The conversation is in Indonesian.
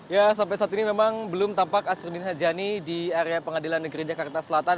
ya sampai saat ini memang belum tampak asruddin hajani di area pengadilan negeri jakarta selatan